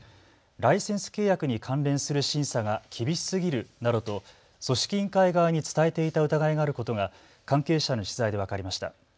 ライセンス契約に関連する審査が厳しすぎるなどと組織委員会側に伝えていた疑いがあることが関係者の取材で分かりました。